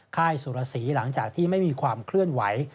ค่ายสุรสีหลังจากที่ไม่มีความเคลื่อนไหว